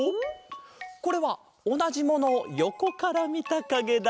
これはおなじものをよこからみたかげだ！